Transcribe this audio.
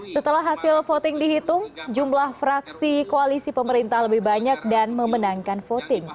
setelah hasil voting dihitung jumlah fraksi koalisi pemerintah lebih banyak dan memenangkan voting